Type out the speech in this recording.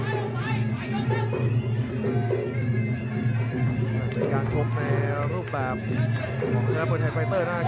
นี่คือเหมือนแบบของเราแบบของคนไทยไฟเตอร์ฮ่ะ